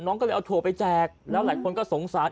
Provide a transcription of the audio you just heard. ก็เลยเอาถั่วไปแจกแล้วหลายคนก็สงสาร